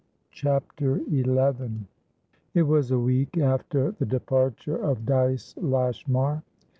CHAPTER XI It was a week after the departure of Dyce Lashmar.